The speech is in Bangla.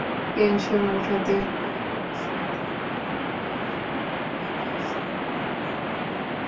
পেনশন ওঠাতে হলে অবশ্যই তাঁর মালিককেই ব্যাংকে আসতে হবে, এটাই নিয়ম।